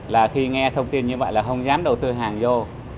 là khi nghe thông tin như vậy là không dám đầu tư hàng vô